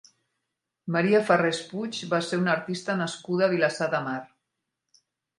Maria Ferrés Puig va ser una artista nascuda a Vilassar de Mar.